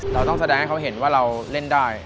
เราต้องแสดงให้เขาเห็นว่าเราเล่นได้